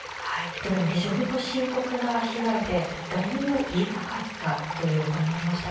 どれも非常に深刻な被害で誰にも言えなかったという声もありましたが。